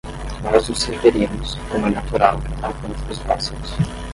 Nós nos referimos, como é natural, ao canto dos pássaros.